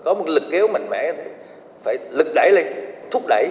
có một lực kéo mạnh mẽ phải lực đẩy lên thúc đẩy